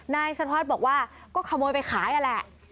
นายสัมพันธ์บอกว่าก็ขโมยไปขายอ่ะแหละ